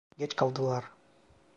Geç kaldılar.